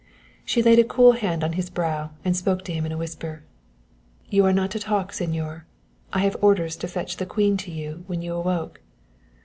She laid a cool hand upon his brow and spoke to him in a whisper. "You are not to talk, señor; I have orders to fetch the Queen to you when you awoke."